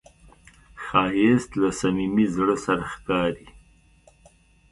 ښایست له صمیمي زړه سره ښکاري